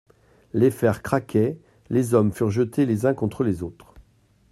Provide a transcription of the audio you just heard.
Les fers craquaient, les hommes furent jetés les uns contre les autres.